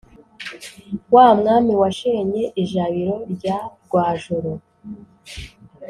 Wa Mwami washenye ijabiro rya Rwajoro*.